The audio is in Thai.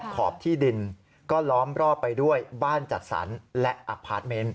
ขอบที่ดินก็ล้อมรอบไปด้วยบ้านจัดสรรและอพาร์ทเมนต์